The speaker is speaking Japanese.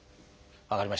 分かりました。